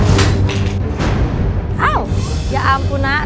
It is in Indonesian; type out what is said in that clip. terima kasih pak